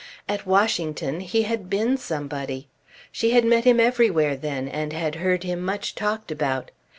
At Washington he had been somebody. She had met him everywhere then, and had heard him much talked about.